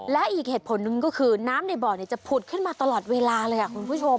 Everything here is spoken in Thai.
และอีกเหตุผลหนึ่งก็คือน้ำในบ่อจะผุดขึ้นมาตลอดเวลาเลยคุณผู้ชม